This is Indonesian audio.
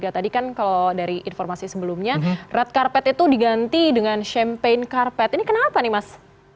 tadi kan kalau dari informasi sebelumnya red carpet itu diganti dengan champen karpet ini kenapa nih mas